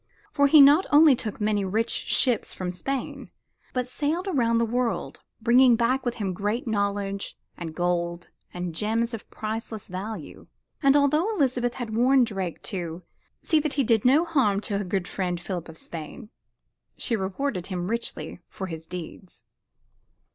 For he not only took many rich ships from Spain, but sailed around the world, bringing back with him great knowledge and gold and gems of priceless value. And although Elizabeth had warned Drake to "see that he did no harm to her good friend, Philip of Spain," she rewarded him richly for his deeds.